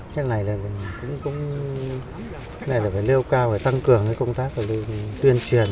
thế này là phải tăng cường công tác tuyên truyền